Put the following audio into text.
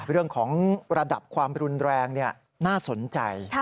เรื่องของระดับความรุนแรงน่าสนใจ